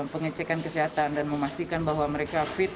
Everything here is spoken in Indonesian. pengecekan kesehatan dan memastikan bahwa mereka fit